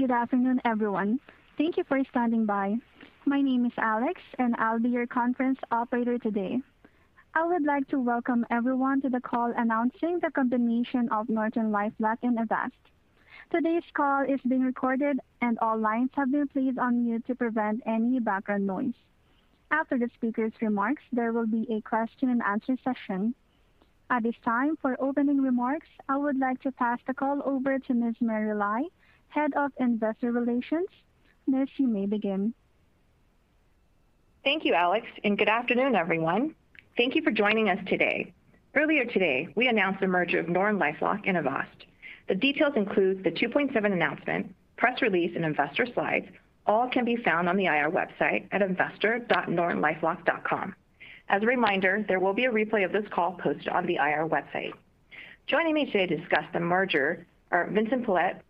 Good afternoon, everyone. Thank you for standing by. My name is Alex, and I'll be your conference operator today. I would like to welcome everyone to the call announcing the combination of NortonLifeLock and Avast. Today's call is being recorded and all lines have been placed on mute to prevent any background noise. After the speaker's remarks, there will be a question and answer session. At this time, for opening remarks, I would like to pass the call over to Ms. Mary Lai, Head of Investor Relations. Ms., you may begin. Thank you, Alex, and good afternoon, everyone. Thank you for joining us today. Earlier today, we announced the merger of NortonLifeLock and Avast. The details include the Rule 2.7 announcement, press release, and investor slides. All can be found on the IR website at investor.nortonlifelock.com. As a reminder, there will be a replay of this call posted on the IR website. Joining me today to discuss the merger are Vincent Pilette,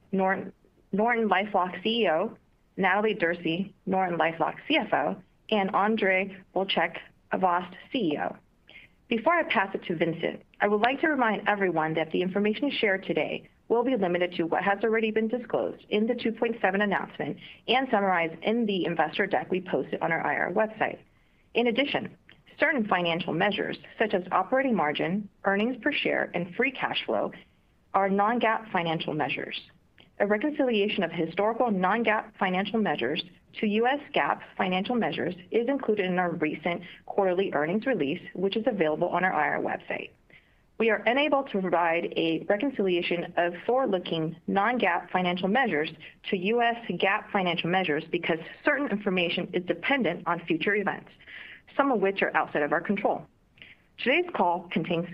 NortonLifeLock CEO, Natalie Derse, NortonLifeLock CFO, and Ondřej Vlček, Avast CEO. Before I pass it to Vincent, I would like to remind everyone that the information shared today will be limited to what has already been disclosed in the Rule 2.7 announcement and summarized in the investor deck we posted on our IR website. In addition, certain financial measures such as operating margin, earnings per share, and free cash flow are non-GAAP financial measures. A reconciliation of historical non-GAAP financial measures to U.S. GAAP financial measures is included in our recent quarterly earnings release, which is available on our IR website. We are unable to provide a reconciliation of forward-looking non-GAAP financial measures to U.S. GAAP financial measures because certain information is dependent on future events, some of which are outside of our control. Today's call contains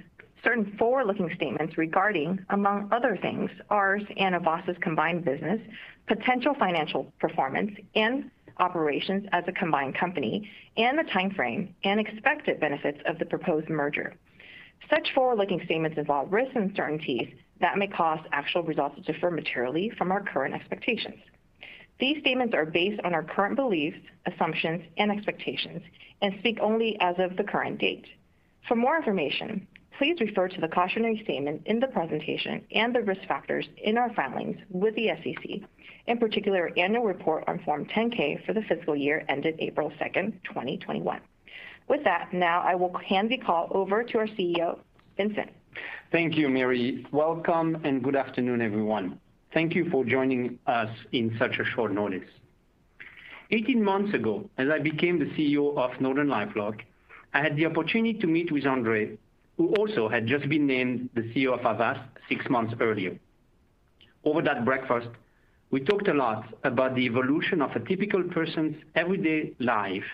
certain forward-looking statements regarding, among other things, our and Avast's combined business, potential financial performance and operations as a combined company, and the timeframe and expected benefits of the proposed merger. Such forward-looking statements involve risks and uncertainties that may cause actual results to differ materially from our current expectations. These statements are based on our current beliefs, assumptions, and expectations and speak only as of the current date. For more information, please refer to the cautionary statement in the presentation and the risk factors in our filings with the SEC, in particular, annual report on Form 10-K for the fiscal year ended April 2, 2021. With that, now I will hand the call over to our CEO, Vincent. Thank you, Mary. Welcome and good afternoon, everyone. Thank you for joining us on such short notice. 18 months ago, as I became the CEO of NortonLifeLock, I had the opportunity to meet with Ondřej, who also had just been named the CEO of Avast six months earlier. Over that breakfast, we talked a lot about the evolution of a typical person's everyday life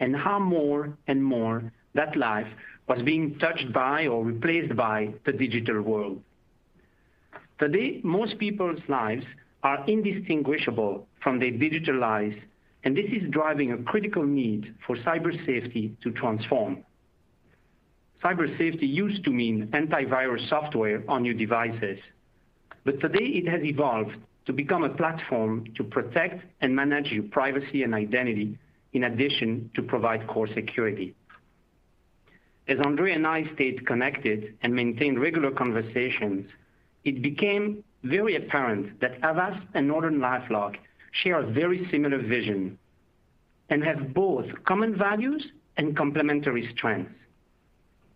and how more and more that life was being touched by or replaced by the digital world. Today, most people's lives are indistinguishable from their digital lives, and this is driving a critical need for cyber safety to transform. Cyber safety used to mean antivirus software on your devices, but today it has evolved to become a platform to protect and manage your privacy and identity in addition to provide core security. As Ondřej and I stayed connected and maintained regular conversations, it became very apparent that Avast and NortonLifeLock share a very similar vision and have both common values and complementary strengths.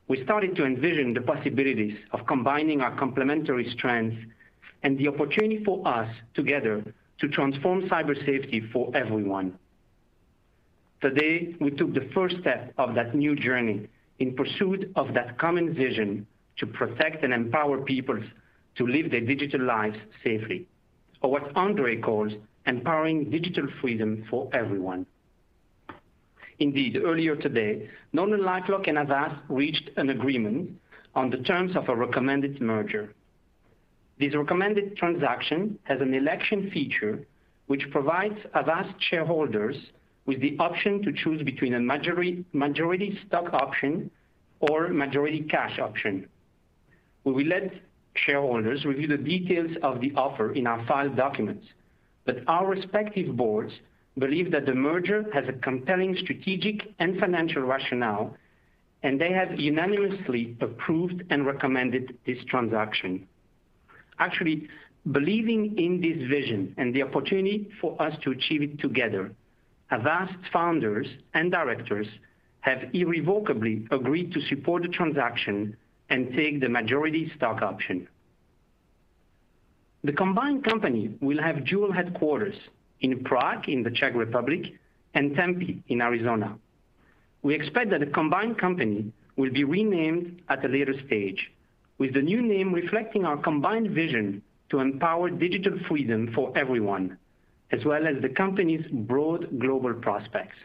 We started to envision the possibilities of combining our complementary strengths and the opportunity for us together to transform cyber safety for everyone. Today, we took the first step of that new journey in pursuit of that common vision to protect and empower people to live their digital lives safely or what Ondřej calls empowering digital freedom for everyone. Indeed, earlier today, NortonLifeLock and Avast reached an agreement on the terms of a recommended merger. This recommended transaction has an election feature which provides Avast shareholders with the option to choose between a majority stock option or majority cash option. We will let shareholders review the details of the offer in our filed documents, but our respective boards believe that the merger has a compelling strategic and financial rationale, and they have unanimously approved and recommended this transaction. Actually, believing in this vision and the opportunity for us to achieve it together, Avast founders and directors have irrevocably agreed to support the transaction and take the majority stock option. The combined company will have dual headquarters in Prague in the Czech Republic and Tempe in Arizona. We expect that the combined company will be renamed at a later stage, with the new name reflecting our combined vision to empower digital freedom for everyone, as well as the company's broad global prospects.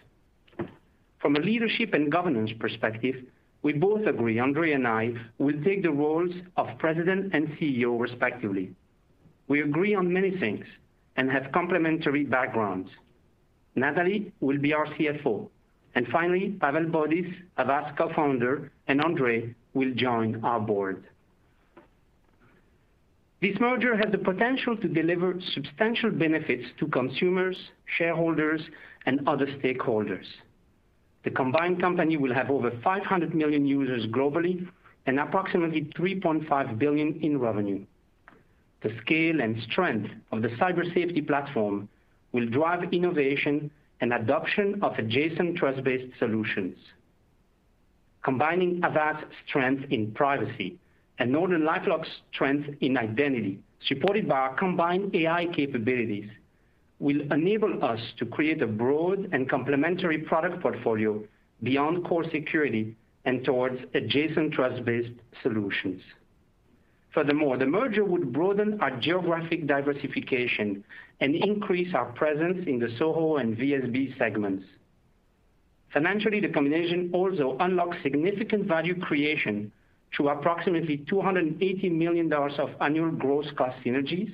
From a leadership and governance perspective, we both agree, Ondřej and I, will take the roles of President and CEO respectively. We agree on many things and have complementary backgrounds. Natalie will be our CFO. Finally, Pavel Baudiš, Avast co-founder, and Ondřej will join our board. This merger has the potential to deliver substantial benefits to consumers, shareholders, and other stakeholders. The combined company will have over 500 million users globally and approximately $3.5 billion in revenue. The scale and strength of the cyber safety platform will drive innovation and adoption of adjacent trust-based solutions. Combining Avast's strength in privacy and NortonLifeLock's strength in identity, supported by our combined AI capabilities, will enable us to create a broad and complementary product portfolio beyond core security and towards adjacent trust-based solutions. Furthermore, the merger would broaden our geographic diversification and increase our presence in the SOHO and VSB segments. Financially, the combination also unlocks significant value creation through approximately $280 million of annual gross cost synergies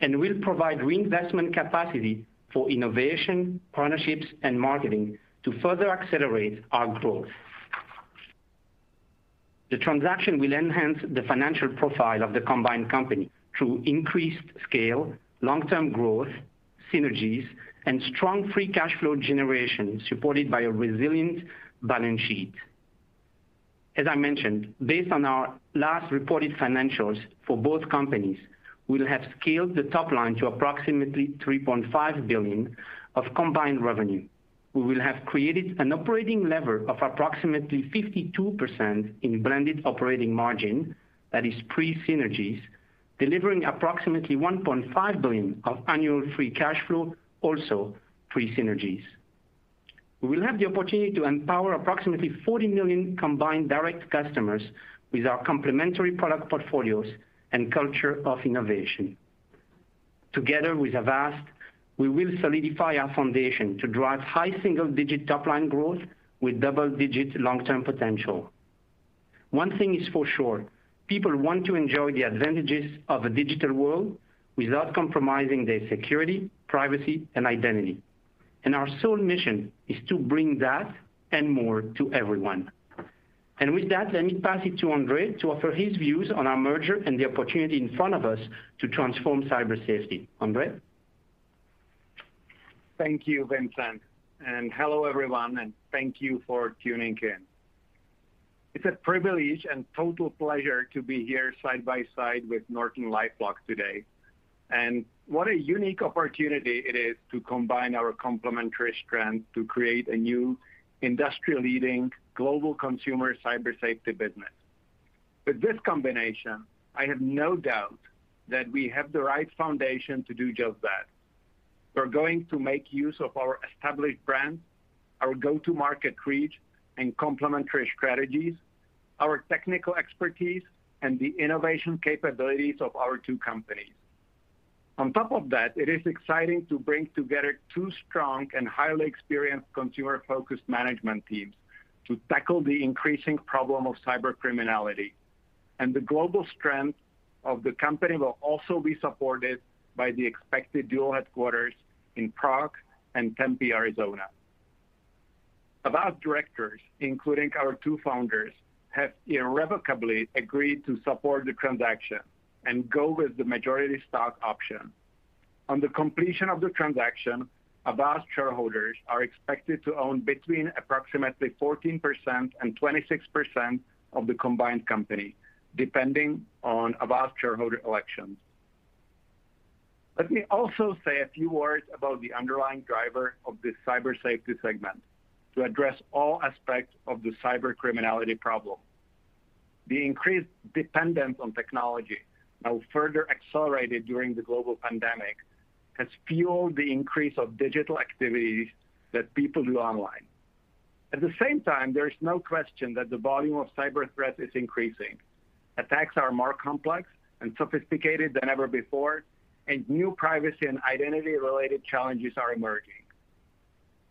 and will provide reinvestment capacity for innovation, partnerships, and marketing to further accelerate our growth. The transaction will enhance the financial profile of the combined company through increased scale, long-term growth, synergies, and strong free cash flow generation supported by a resilient balance sheet. As I mentioned, based on our last reported financials for both companies, we'll have scaled the top line to approximately $3.5 billion of combined revenue. We will have created an operating lever of approximately 52% in blended operating margin, that is pre-synergies, delivering approximately $1.5 billion of annual free cash flow, also pre-synergies. We will have the opportunity to empower approximately 40 million combined direct customers with our complementary product portfolios and culture of innovation. Together with Avast, we will solidify our foundation to drive high single-digit top-line growth with double-digit long-term potential. One thing is for sure, people want to enjoy the advantages of a digital world without compromising their security, privacy, and identity. Our sole mission is to bring that and more to everyone. With that, let me pass it to Ondřej to offer his views on our merger and the opportunity in front of us to transform cyber safety. Ondřej? Thank you, Vincent. Hello, everyone, and thank you for tuning in. It's a privilege and total pleasure to be here side by side with NortonLifeLock today. What a unique opportunity it is to combine our complementary strengths to create a new industry-leading global consumer cyber safety business. With this combination, I have no doubt that we have the right foundation to do just that. We're going to make use of our established brands, our go-to-market reach and complementary strategies, our technical expertise, and the innovation capabilities of our two companies. On top of that, it is exciting to bring together two strong and highly experienced consumer-focused management teams to tackle the increasing problem of cyber criminality. The global strength of the company will also be supported by the expected dual headquarters in Prague and Tempe, Arizona. Avast directors, including our two founders, have irrevocably agreed to support the transaction and go with the majority stock option. On the completion of the transaction, Avast shareholders are expected to own between approximately 14% and 26% of the combined company, depending on Avast shareholder elections. Let me also say a few words about the underlying driver of this cyber safety segment to address all aspects of the cyber criminality problem. The increased dependence on technology, now further accelerated during the global pandemic, has fueled the increase of digital activities that people do online. At the same time, there is no question that the volume of cyber threats is increasing. Attacks are more complex and sophisticated than ever before, and new privacy and identity-related challenges are emerging.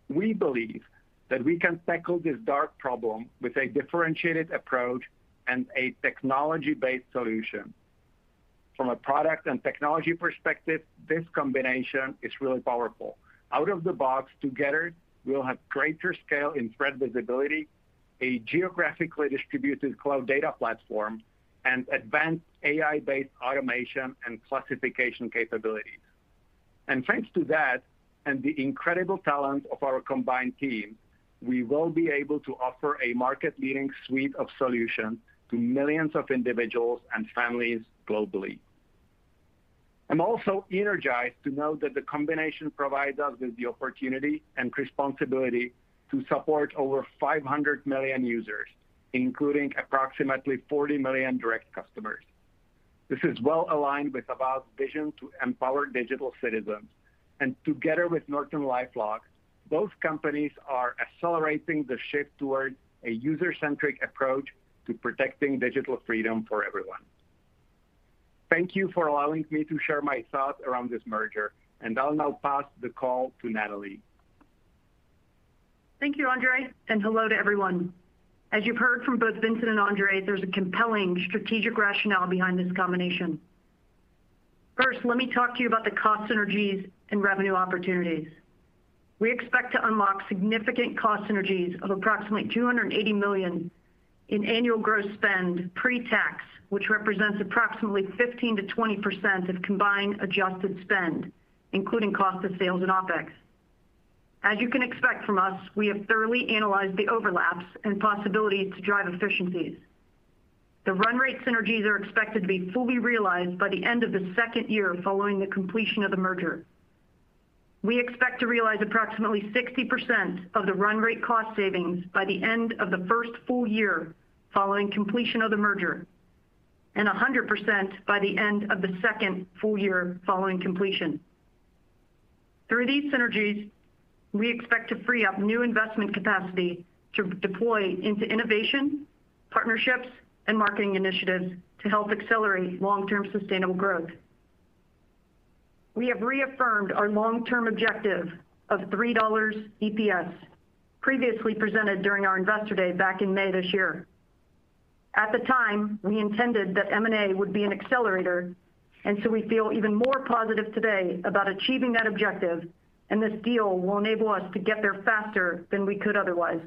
We believe that we can tackle this dark problem with a differentiated approach and a technology-based solution. From a product and technology perspective, this combination is really powerful. Out of the box, together, we'll have greater scale in threat visibility, a geographically distributed cloud data platform, and advanced AI-based automation and classification capabilities. Thanks to that and the incredible talent of our combined team, we will be able to offer a market-leading suite of solutions to millions of individuals and families globally. I'm also energized to know that the combination provides us with the opportunity and responsibility to support over 500 million users, including approximately 40 million direct customers. This is well-aligned with Avast's vision to empower digital citizens. Together with Norton LifeLock, both companies are accelerating the shift towards a user-centric approach to protecting digital freedom for everyone. Thank you for allowing me to share my thoughts around this merger, and I'll now pass the call to Natalie. Thank you, Ondřej, and hello to everyone. As you've heard from both Vincent and Ondřej, there's a compelling strategic rationale behind this combination. First, let me talk to you about the cost synergies and revenue opportunities. We expect to unlock significant cost synergies of approximately $280 million in annual gross spend pre-tax, which represents approximately 15%-20% of combined adjusted spend, including cost of sales and OpEx. As you can expect from us, we have thoroughly analyzed the overlaps and possibility to drive efficiencies. The run rate synergies are expected to be fully realized by the end of the second year following the completion of the merger. We expect to realize approximately 60% of the run rate cost savings by the end of the first full-year following completion of the merger, and 100% by the end of the second full-year following completion. Through these synergies, we expect to free up new investment capacity to deploy into innovation, partnerships, and marketing initiatives to help accelerate long-term sustainable growth. We have reaffirmed our long-term objective of $3 EPS previously presented during our investor day back in May this year. At the time, we intended that M&A would be an accelerator, and so we feel even more positive today about achieving that objective, and this deal will enable us to get there faster than we could otherwise.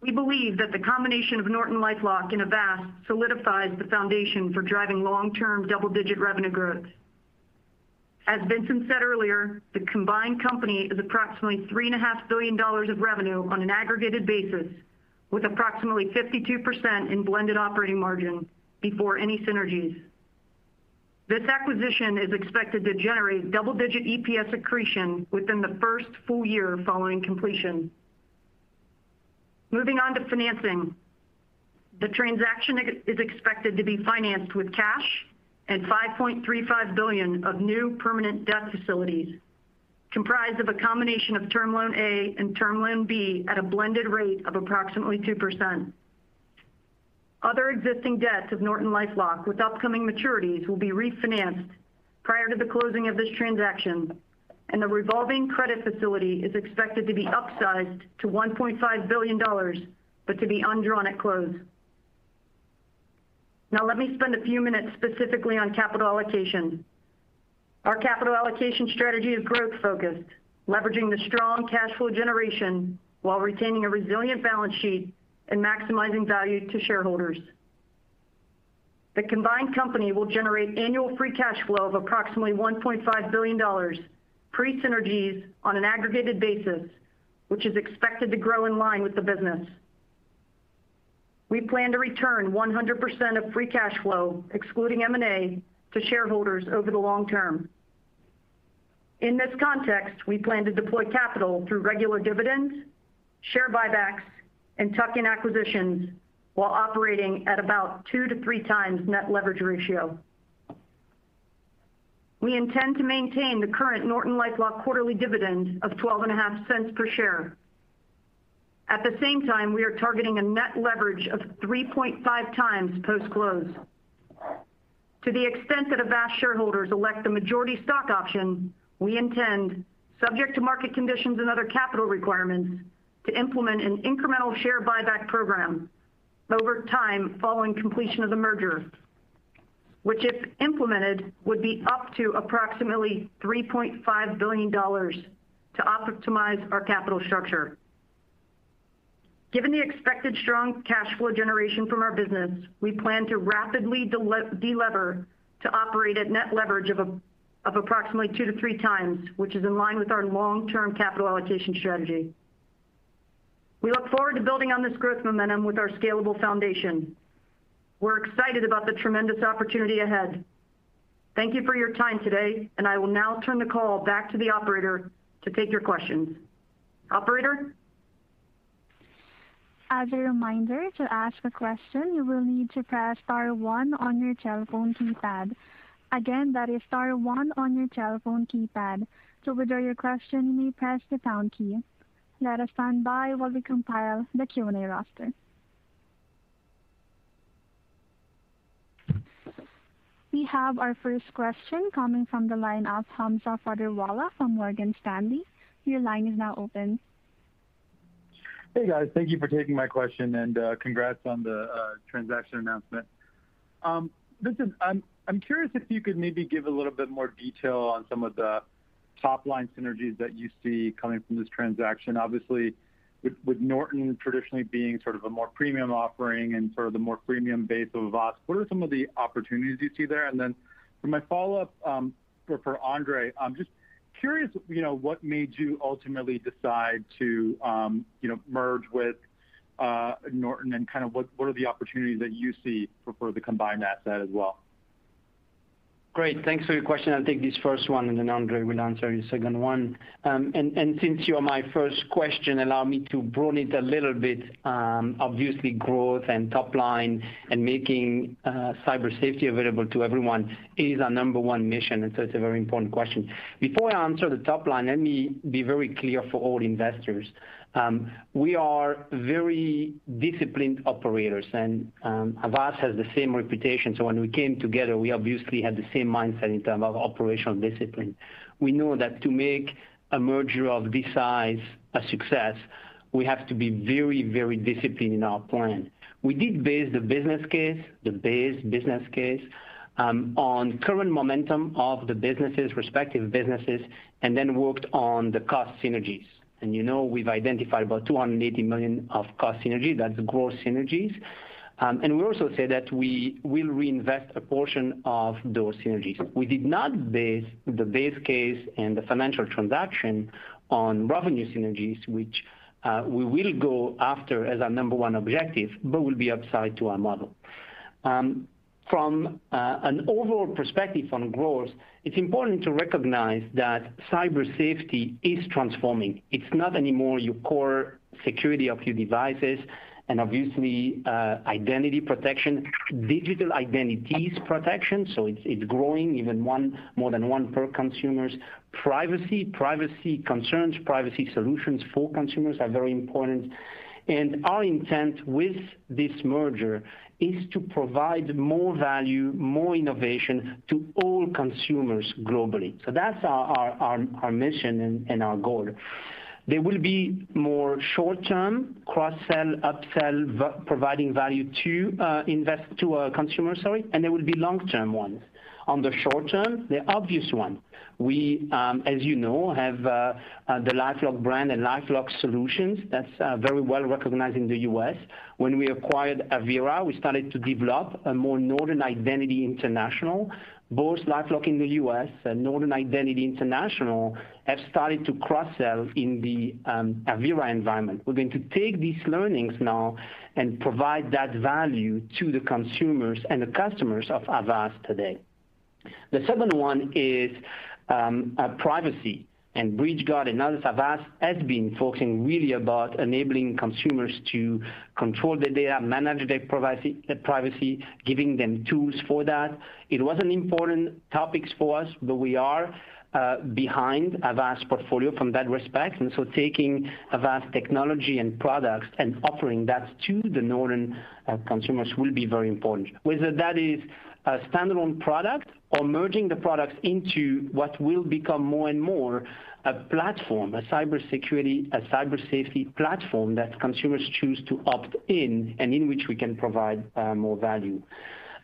We believe that the combination of NortonLifeLock and Avast solidifies the foundation for driving long-term double-digit revenue growth. As Vincent said earlier, the combined company is approximately $3.5 billion of revenue on an aggregated basis, with approximately 52% in blended operating margin before any synergies. This acquisition is expected to generate double-digit EPS accretion within the first full-year following completion. Moving on to financing. The transaction is expected to be financed with cash and $5.35 billion of new permanent debt facilities comprised of a combination of Term Loan A and Term Loan B at a blended rate of approximately 2%. Other existing debts of NortonLifeLock with upcoming maturities will be refinanced prior to the closing of this transaction, and the revolving credit facility is expected to be upsized to $1.5 billion, but to be undrawn at close. Now, let me spend a few minutes specifically on capital allocation. Our capital allocation strategy is growth-focused, leveraging the strong cash flow generation while retaining a resilient balance sheet and maximizing value to shareholders. The combined company will generate annual free cash flow of approximately $1.5 billion pre-synergies on an aggregated basis, which is expected to grow in line with the business. We plan to return 100% of free cash flow, excluding M&A, to shareholders over the long term. In this context, we plan to deploy capital through regular dividends, share buybacks, and tuck-in acquisitions while operating at about 2-3x net leverage ratio. We intend to maintain the current NortonLifeLock quarterly dividend of $0.125 per share. At the same time, we are targeting a net leverage of 3.5x post-close. To the extent that Avast shareholders elect the majority stock option, we intend, subject to market conditions and other capital requirements, to implement an incremental share buyback program over time following completion of the merger, which if implemented, would be up to approximately $3.5 billion to optimize our capital structure. Given the expected strong cash flow generation from our business, we plan to rapidly deleverage to operate at net leverage of approximately 2-3x, which is in line with our long-term capital allocation strategy. We look forward to building on this growth momentum with our scalable foundation. We're excited about the tremendous opportunity ahead. Thank you for your time today, and I will now turn the call back to the operator to take your questions. Operator? As a reminder, to ask a question, you will need to press star one on your telephone keypad. Again, that is star one on your telephone keypad. To withdraw your question, you may press the pound key. Let us stand by while we compile the Q&A roster. We have our first question coming from the line of Hamza Fodderwala from Morgan Stanley. Your line is now open. Hey, guys. Thank you for taking my question and congrats on the transaction announcement. Listen, I'm curious if you could maybe give a little bit more detail on some of the top-line synergies that you see coming from this transaction. Obviously, with Norton traditionally being sort of a more premium offering and sort of the more premium base of Avast, what are some of the opportunities you see there? And then for my follow-up, for Ondřej, I'm just curious, you know, what made you ultimately decide to, you know, merge with Norton, and kind of what are the opportunities that you see for the combined asset as well? Great. Thanks for your question. I'll take this first one, and then Ondřej will answer your second one. Since you're my first question, allow me to broaden it a little bit. Obviously, growth and top line and making cyber safety available to everyone is our number one mission, and so it's a very important question. Before I answer the top line, let me be very clear for all investors. We are very disciplined operators, and Avast has the same reputation. When we came together, we obviously had the same mindset in terms of operational discipline. We know that to make a merger of this size a success, we have to be very, very disciplined in our plan. We did base the base business case on current momentum of the businesses, respective businesses, and then worked on the cost synergies. You know we've identified about $280 million of cost synergy. That's gross synergies. We also say that we will reinvest a portion of those synergies. We did not base the base case and the financial transaction on revenue synergies, which we will go after as our number one objective, but will be upside to our model. From an overall perspective on growth, it's important to recognize that cyber safety is transforming. It's not anymore your core security of your devices and obviously identity protection, digital identities protection, so it's growing even more than one per consumers. Privacy concerns, privacy solutions for consumers are very important. Our intent with this merger is to provide more value, more innovation to all consumers globally. That's our mission and our goal. There will be more short-term cross-sell, upsell versus providing value to our consumers, sorry, and there will be long-term ones. On the short term, the obvious one, as you know, we have the LifeLock brand and LifeLock solutions that's very well recognized in the U.S. When we acquired Avira, we started to develop our Norton Identity International. Both LifeLock in the U.S. and Norton Identity International have started to cross-sell in the Avira environment. We're going to take these learnings now and provide that value to the consumers and the customers of Avast today. The second one is privacy, and Avast BreachGuard and others. Avast has been focusing really about enabling consumers to control the data, manage their privacy, giving them tools for that. It was an important topic for us, but we are behind Avast portfolio from that respect, and so taking Avast technology and products and offering that to the Norton consumers will be very important, whether that is a standalone product or merging the products into what will become more and more a platform, a cybersecurity, a cyber safety platform that consumers choose to opt in and in which we can provide more value.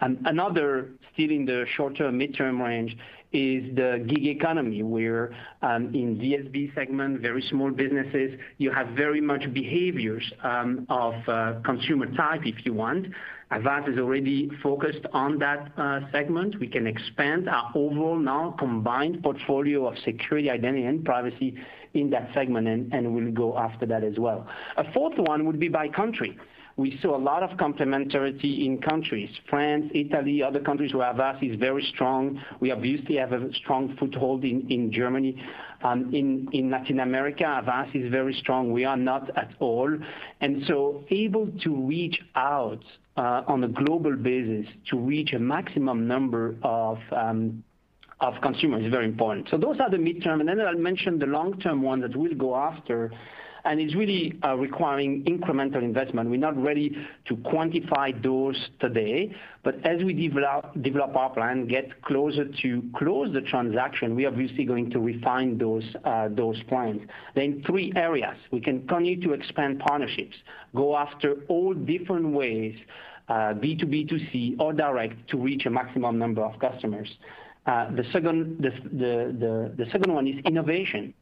Another, still in the short-term, mid-term range, is the gig economy, where in VSB segment, very small businesses, you have very much behaviors of consumer type, if you want. Avast is already focused on that segment. We can expand our overall now combined portfolio of security, identity, and privacy in that segment, and we'll go after that as well. A fourth one would be by country. We saw a lot of complementarity in countries, France, Italy, other countries where Avast is very strong. We obviously have a strong foothold in Germany. In Latin America, Avast is very strong. We are not at all. Able to reach out on a global basis to reach a maximum number of consumers is very important. Those are the mid-term. Then I'll mention the long-term one that we'll go after, and it's really requiring incremental investment. We're not ready to quantify those today, but as we develop our plan, get closer to close the transaction, we're obviously going to refine those plans. There are three areas. We can continue to expand partnerships, go after all different ways, B2B2C or direct to reach a maximum number of customers. The second one is innovation.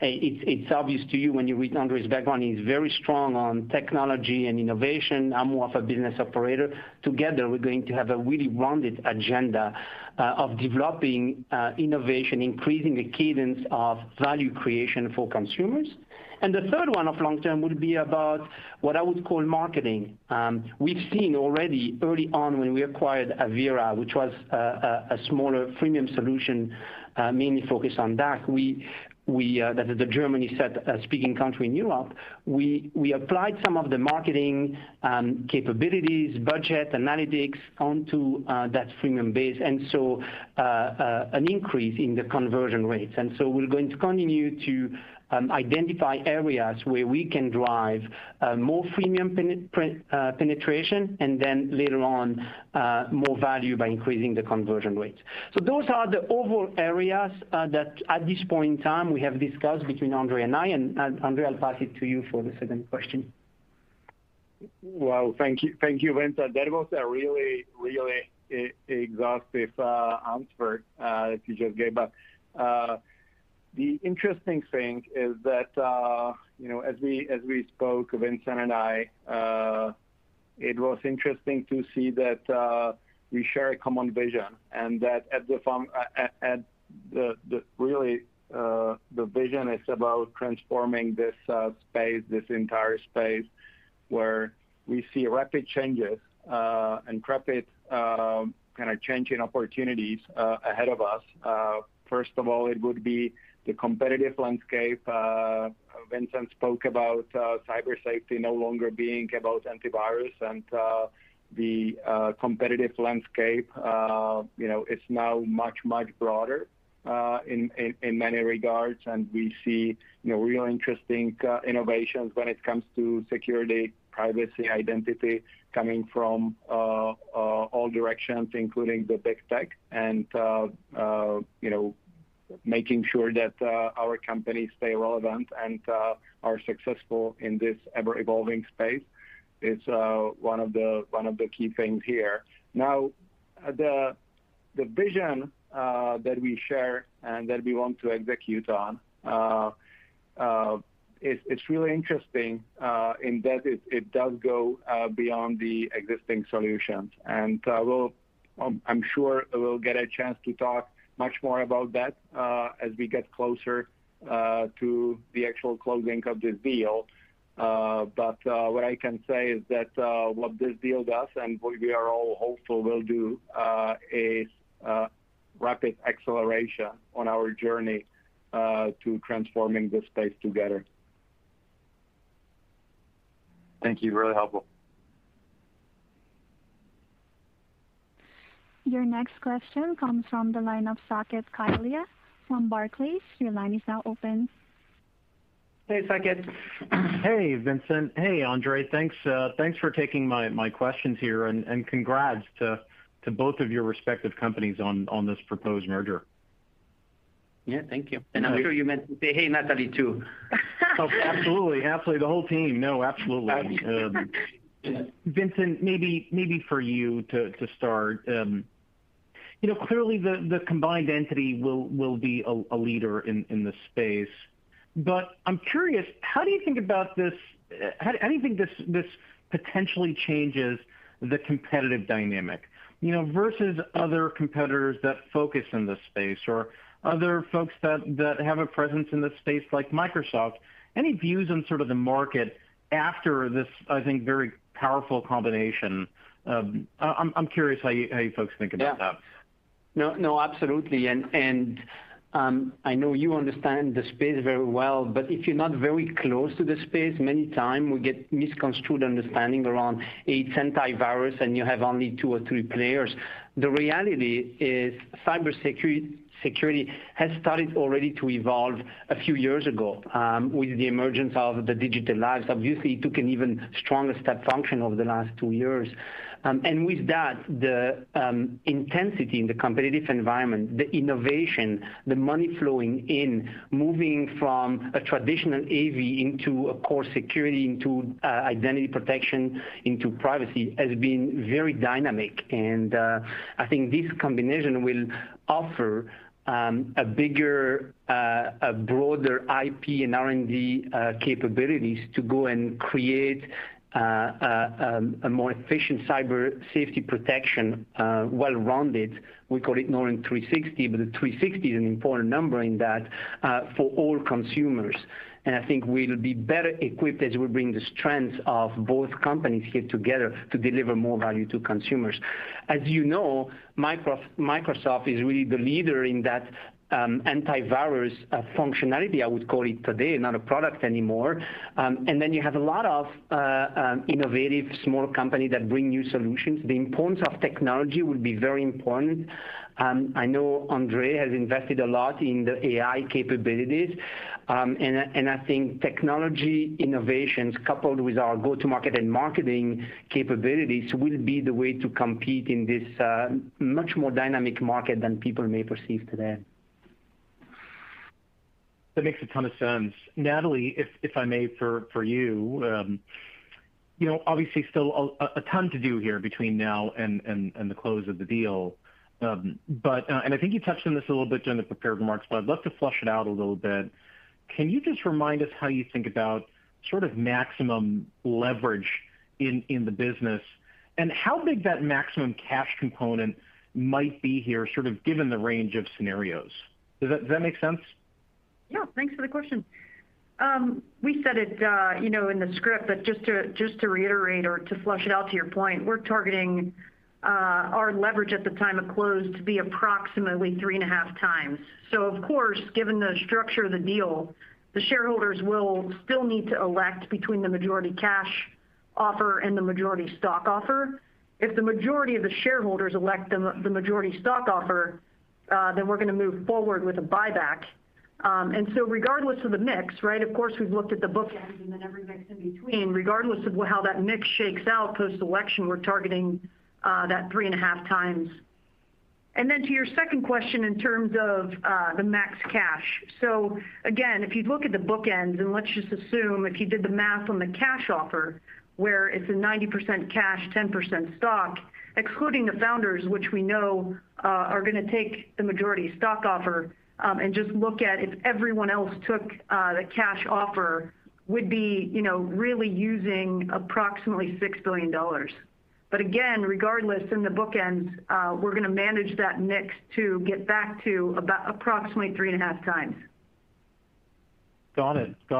It's obvious to you when you read Ondřej's background, he's very strong on technology and innovation. I'm more of a business operator. Together, we're going to have a really rounded agenda of developing innovation, increasing the cadence of value creation for consumers. The third one of long term would be about what I would call marketing. We've seen already early on when we acquired Avira, which was a smaller freemium solution, mainly focused on DACH. That is the German-speaking countries in Europe, we applied some of the marketing capabilities, budget, analytics onto that freemium base, and so an increase in the conversion rates. We're going to continue to identify areas where we can drive more freemium penetration, and then later on more value by increasing the conversion rates. Those are the overall areas that at this point in time, we have discussed between Ondřej and I. Ondřej, I'll pass it to you for the second question. Well, thank you. Thank you, Vincent. That was a really, really exhaustive answer that you just gave. The interesting thing is that you know, as we spoke, Vincent and I, it was interesting to see that we share a common vision and the vision is about transforming this space, this entire space where we see rapid changes and rapid kind of changing opportunities ahead of us. First of all, it would be the competitive landscape. Vincent spoke about cyber safety no longer being about antivirus and the competitive landscape you know is now much, much broader in many regards. We see, you know, real interesting innovations when it comes to security, privacy, identity coming from all directions, including the Big Tech and, you know, making sure that our companies stay relevant and are successful in this ever-evolving space is one of the key things here. The vision that we share and that we want to execute on, it's really interesting in that it does go beyond the existing solutions. I'm sure we'll get a chance to talk much more about that as we get closer to the actual closing of this deal. What I can say is that what this deal does, and we are all hopeful will do, is rapid acceleration on our journey to transforming this space together. Thank you. Really helpful. Your next question comes from the line of Saket Kalia from Barclays. Your line is now open. Hey, Saket. Hey, Vincent. Hey, Ondřej. Thanks for taking my questions here, and congrats to both of your respective companies on this proposed merger. Yeah, thank you. I'm sure you meant to say, "Hey, Natalie," too. Oh, absolutely. The whole team. No, absolutely. Vincent, maybe for you to start. You know, clearly the combined entity will be a leader in this space. I'm curious, how do you think about this? How do you think this potentially changes the competitive dynamic, you know, versus other competitors that focus in this space or other folks that have a presence in this space, like Microsoft? Any views on sort of the market after this, I think, very powerful combination. I'm curious how you folks think about that. Yeah. No, no, absolutely. I know you understand the space very well, but if you're not very close to the space, many times we get misconstrued understanding around its antivirus and you have only two or three players. The reality is cybersecurity, security has started already to evolve a few years ago, with the emergence of the digital lives. Obviously, it took an even stronger step function over the last two years. With that, the intensity in the competitive environment, the innovation, the money flowing in, moving from a traditional AV into a core security, into identity protection, into privacy, has been very dynamic. I think this combination will offer a bigger, broader IP and R&D capabilities to go and create a more efficient cyber safety protection, well-rounded. We call it Norton 360, but the 360 is an important number in that, for all consumers. I think we'll be better equipped as we bring the strengths of both companies here together to deliver more value to consumers. As you know, Microsoft is really the leader in that, antivirus functionality, I would call it today, not a product anymore. Then you have a lot of innovative small company that bring new solutions. The importance of technology will be very important. I know Ondřej has invested a lot in the AI capabilities. I think technology innovations coupled with our go-to-market and marketing capabilities will be the way to compete in this much more dynamic market than people may perceive today. That makes a ton of sense. Natalie, if I may, for you. You know, obviously still a ton to do here between now and the close of the deal. I think you touched on this a little bit during the prepared remarks, but I'd love to flesh it out a little bit. Can you just remind us how you think about sort of maximum leverage in the business, and how big that maximum cash component might be here, sort of given the range of scenarios? Does that make sense? Yeah. Thanks for the question. We said it, you know, in the script, but just to reiterate or to flesh it out to your point, we're targeting our leverage at the time of close to be approximately 3.5x. Of course, given the structure of the deal, the shareholders will still need to elect between the majority cash offer and the majority stock offer. If the majority of the shareholders elect the majority stock offer, then we're gonna move forward with a buyback. Regardless of the mix, right? Of course, we've looked at the bookends and then every mix in between. Regardless of how that mix shakes out post-election, we're targeting that 3.5x. To your second question in terms of the max cash. If you look at the bookends, and let's just assume if you did the math on the cash offer, where it's a 90% cash, 10% stock, excluding the founders, which we know are gonna take the majority stock offer, and just look at if everyone else took the cash offer, would be really using approximately $6 billion. Regardless, in the bookends, we're gonna manage that mix to get back to about approximately 3.5x. Got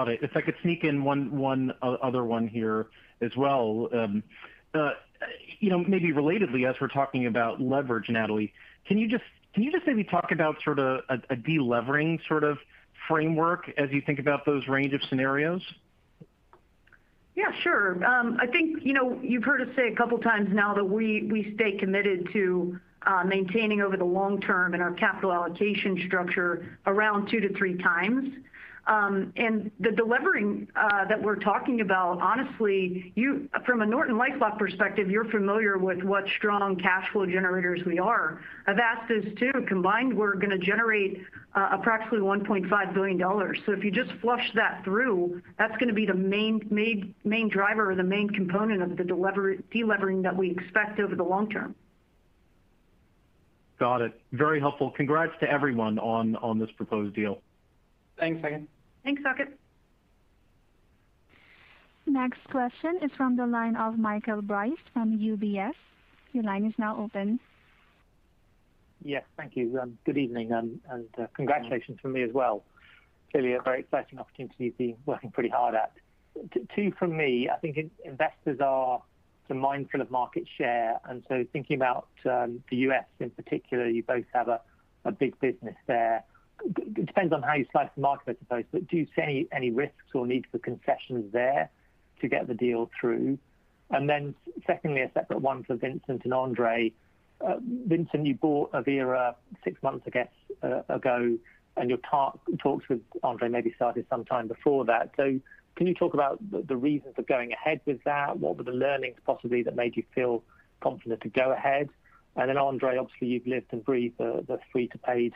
it. If I could sneak in one other one here as well. You know, maybe relatedly, as we're talking about leverage, Natalie, can you just maybe talk about sort of a delevering sort of framework as you think about those range of scenarios? Yeah, sure. I think, you know, you've heard us say a couple times now that we stay committed to maintaining over the long term in our capital allocation structure around 2-3x. The delevering that we're talking about, honestly, from a NortonLifeLock perspective, you're familiar with what strong cash flow generators we are. Avast is too. Combined, we're gonna generate approximately $1.5 billion. If you just flush that through, that's gonna be the main driver or the main component of the delevering that we expect over the long term. Got it. Very helpful. Congrats to everyone on this proposed deal. Thanks, Saket. Thanks, Saket. Next question is from the line of Michael Briest from UBS. Your line is now open. Yes, thank you. Good evening and congratulations from me as well. Clearly a very exciting opportunity you've been working pretty hard at. Two from me. I think investors are mindful of market share, and so thinking about the U.S. in particular, you both have a big business there. Depends on how you slice the market, I suppose, but do you see any risks or needs for concessions there to get the deal through? Secondly, a separate one for Vincent Pilette and Ondřej Vlček. Vincent Pilette, you bought Avira six months, I guess, ago, and your talks with Ondřej Vlček maybe started sometime before that. Can you talk about the reasons for going ahead with that? What were the learnings possibly that made you feel confident to go ahead? Ondřej, obviously, you've lived and breathed the free to paid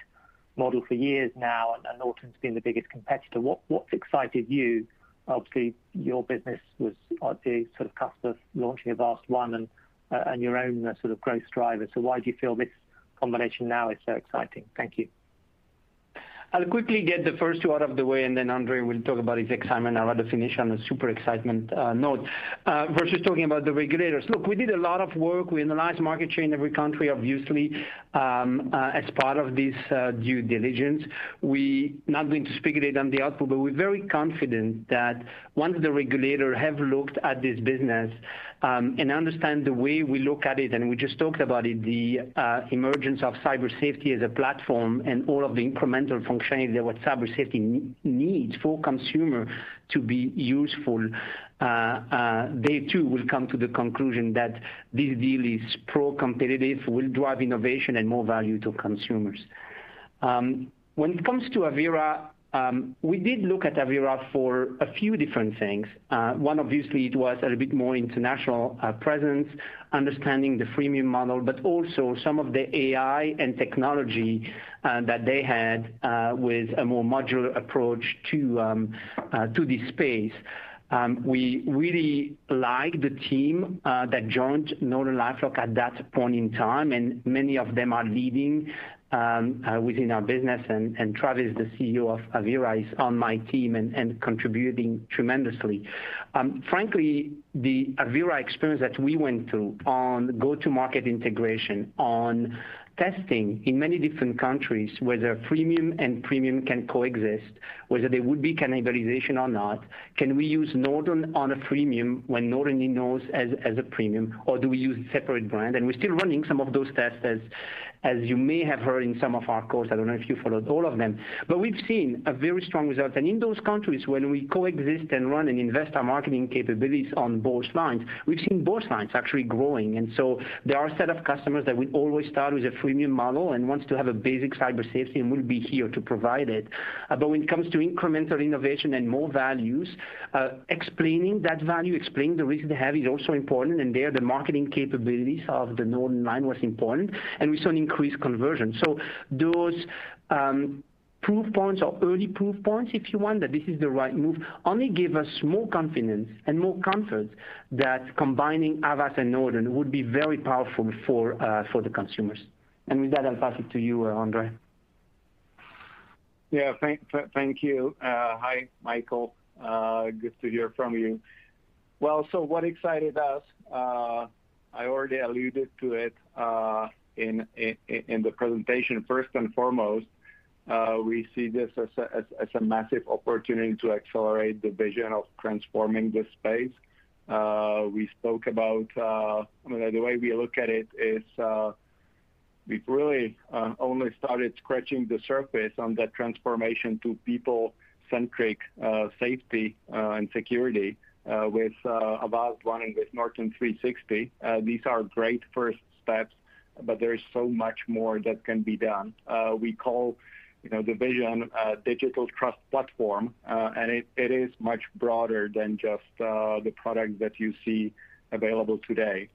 model for years now, and Norton's been the biggest competitor. What's excited you? Obviously, your business was obviously sort of cusp of launching Avast One and your own sort of growth driver. Why do you feel this combination now is so exciting? Thank you. I'll quickly get the first two out of the way, and then Ondřej will talk about his excitement. I'd rather finish on a super excitement, note. Versus talking about the regulators. Look, we did a lot of work. We analyzed market share in every country, obviously, as part of this, due diligence. We're not going to speculate on the output, but we're very confident that once the regulator have looked at this business, and understand the way we look at it, and we just talked about it, the emergence of cyber safety as a platform and all of the incremental functionality that cyber safety needs for consumer to be useful, they too will come to the conclusion that this deal is pro-competitive, will drive innovation and more value to consumers. When it comes to Avira, we did look at Avira for a few different things. One, obviously it was a bit more international presence, understanding the freemium model, but also some of the AI and technology that they had with a more modular approach to this space. We really like the team that joined NortonLifeLock at that point in time, and many of them are leading within our business. Travis, the CEO of Avira, is on my team and contributing tremendously. Frankly, the Avira experience that we went through on go-to-market integration, on testing in many different countries whether freemium and premium can coexist, whether there would be cannibalization or not, can we use Norton on a freemium when Norton is known as a premium, or do we use separate brand? We're still running some of those tests, as you may have heard in some of our calls. I don't know if you followed all of them. We've seen a very strong result. In those countries, when we coexist and run and invest our marketing capabilities on both lines, we've seen both lines actually growing. There are a set of customers that will always start with a freemium model and wants to have a basic cyber safety, and we'll be here to provide it. When it comes to incremental innovation and more values, explaining that value, explaining the reason to have it is also important. There, the marketing capabilities of the Norton line was important, and we saw an increased conversion. Those proof points or early proof points, if you want, that this is the right move, only give us more confidence and more comfort that combining Avast and Norton would be very powerful for the consumers. With that, I'll pass it to you, Ondřej. Yeah. Thank you. Hi, Michael. Good to hear from you. Well, what excited us, I already alluded to it, in the presentation. First and foremost, we see this as a massive opportunity to accelerate the vision of transforming this space. We spoke about, I mean, the way we look at it is, we've really only started scratching the surface on that transformation to people-centric safety and security with Avast running with Norton 360. These are great first steps, but there is so much more that can be done. We call, you know, the vision a digital trust platform, and it is much broader than just the product that you see available today.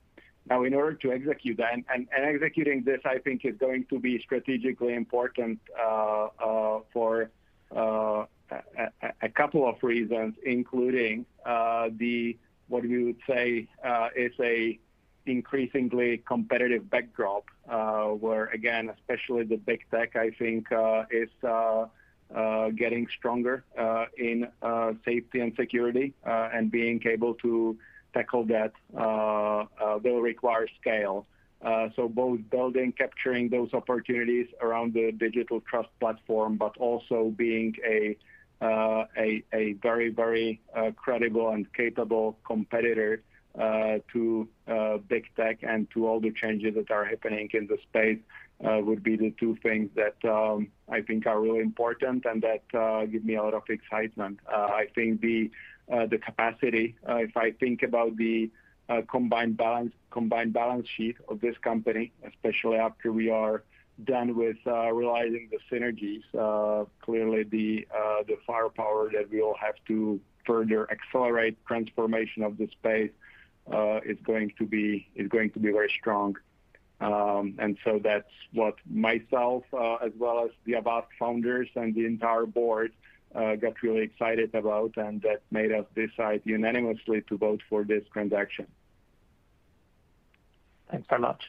Now, in order to execute that, executing this, I think, is going to be strategically important for a couple of reasons, including the what we would say is an increasingly competitive backdrop, where again, especially Big Tech, I think, is getting stronger in safety and security, and being able to tackle that will require scale. Both building, capturing those opportunities around the digital trust platform, but also being a very credible and capable competitor to Big Tech and to all the changes that are happening in the space would be the two things that I think are really important and that give me a lot of excitement. I think the capacity, if I think about the combined balance sheet of this company, especially after we are done with realizing the synergies, clearly the firepower that we'll have to further accelerate transformation of the space is going to be very strong. That's what myself, as well as the Avast founders and the entire board, got really excited about, and that made us decide unanimously to vote for this transaction. Thanks very much.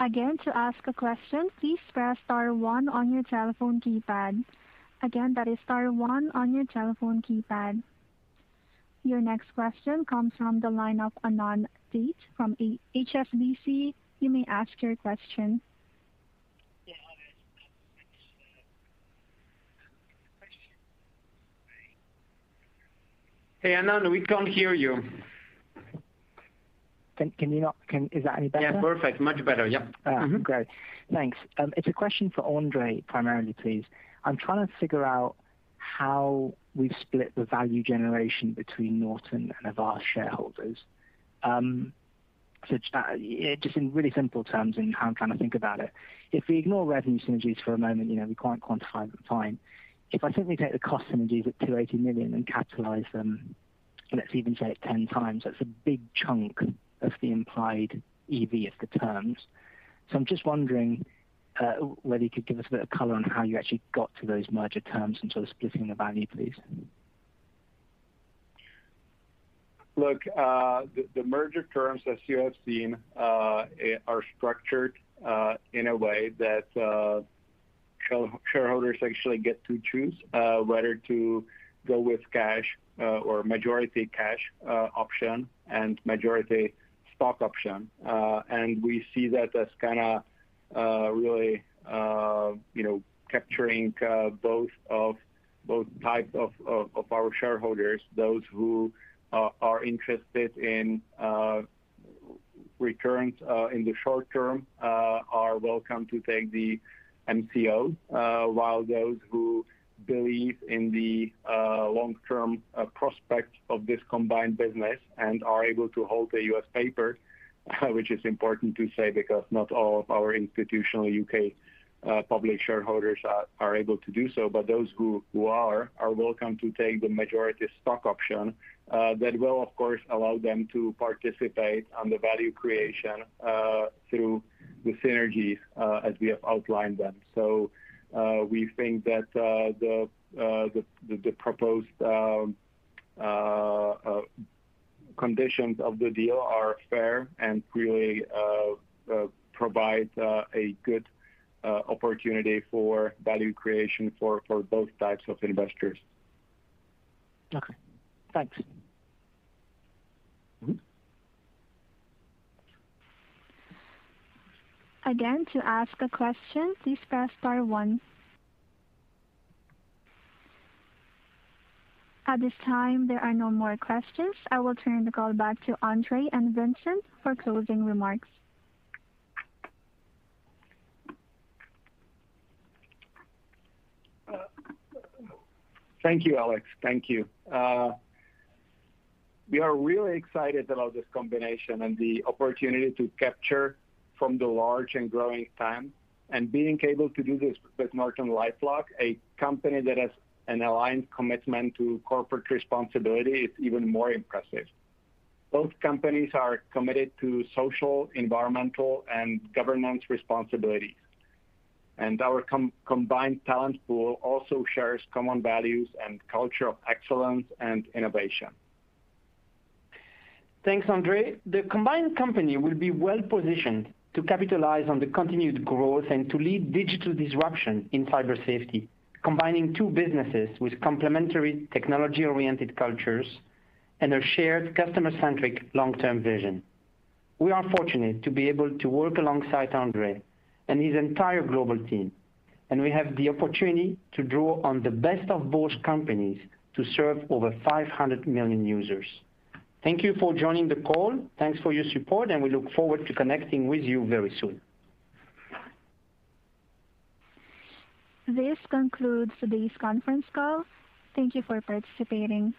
Again, to ask a question, please press star one on your telephone keypad. Again, that is star one on your telephone keypad. Your next question comes from the line of Anand Date from HSBC. You may ask your question. Yeah, hi. Hey, Anand, we can't hear you. Can you not? Is that any better? Yeah, perfect. Much better. Yeah. Mm-hmm. Great. Thanks. It's a question for Ondřej primarily, please. I'm trying to figure out how we've split the value generation between Norton and Avast shareholders. Just in really simple terms and how I'm trying to think about it. If we ignore revenue synergies for a moment, you know, we can't quantify them, fine. If I simply take the cost synergies at $280 million and capitalize them, let's even say at 10x, that's a big chunk of the implied EV of the terms. I'm just wondering whether you could give us a bit of color on how you actually got to those merger terms and sort of splitting the value, please. Look, the merger terms as you have seen are structured in a way that shareholders actually get to choose whether to go with cash or majority cash option and majority stock option. We see that as kinda really you know capturing both types of our shareholders. Those who are interested in returns in the short term are welcome to take the MCO. While those who believe in the long-term prospects of this combined business and are able to hold the U.S. paper, which is important to say because not all of our institutional U.K. public shareholders are able to do so. Those who are welcome to take the majority stock option that will of course allow them to participate on the value creation through the synergies as we have outlined them. We think that the proposed conditions of the deal are fair and really provide a good opportunity for value creation for both types of investors. Okay. Thanks. Mm-hmm. Again, to ask a question, please press star one. At this time, there are no more questions. I will turn the call back to Ondřej and Vincent for closing remarks. Thank you, Alex. Thank you. We are really excited about this combination and the opportunity to capture from the large and growing TAM. Being able to do this with NortonLifeLock, a company that has an aligned commitment to corporate responsibility, is even more impressive. Both companies are committed to social, environmental, and governance responsibilities. Our combined talent pool also shares common values and culture of excellence and innovation. Thanks, Ondřej. The combined company will be well-positioned to capitalize on the continued growth and to lead digital disruption in cyber safety, combining two businesses with complementary technology-oriented cultures and a shared customer-centric long-term vision. We are fortunate to be able to work alongside Ondřej and his entire global team, and we have the opportunity to draw on the best of both companies to serve over 500 million users. Thank you for joining the call. Thanks for your support, and we look forward to connecting with you very soon. This concludes today's conference call. Thank you for participating.